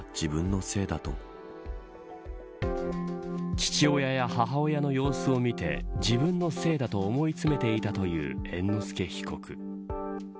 父親や母親の様子を見て自分のせいだと思い詰めていたという猿之助被告。